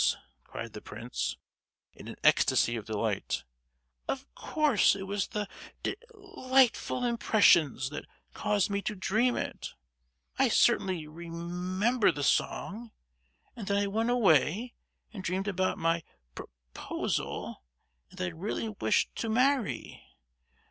cried the prince, in an ecstasy of delight. "Of course it was the de—lightful impressions that caused me to dream it. I certainly re—member the song; and then I went away and dreamed about my pro—posal, and that I really wished to marry!